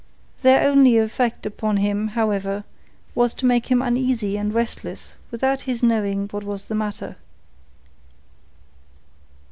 Their only effect upon him, however, was to make him uneasy and restless without his knowing what was the matter.